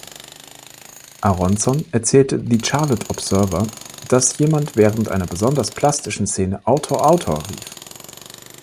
Aronson erzählte The Charlotte Observer, dass jemand während einer besonders plastischen Szene ‚Autor, Autor!‘ rief.